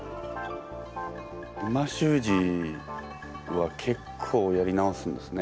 美味しゅう字は結構やり直すんですね